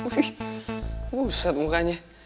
wih buset mukanya